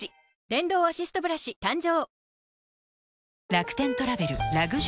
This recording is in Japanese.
電動アシストブラシ誕生